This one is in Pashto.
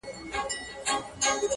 • په غمونو پسي تل د ښادۍ زور وي,